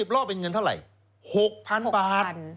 รอบเป็นเงินเท่าไหร่๖๐๐๐บาท